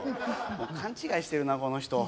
もう勘違いしてるなこの人。